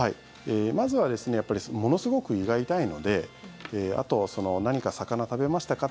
まずはものすごく胃が痛いのであと何か魚食べましたか？